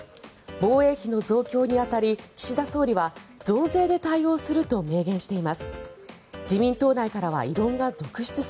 防衛費の増強に当たり岸田総理は増税で対応すると明言しています。